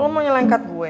lo mau nyelengkat gue